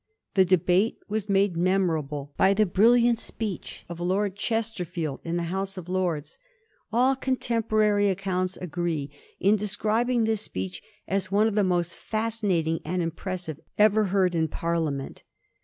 The debate was made memorable by the brilliant speech of Lord Chesterfield in the House of Lords. All con temporary accounts agree in describing this speech as one of the most fascinating and impressive ever heard in Parliament.